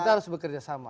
kita harus bekerja sama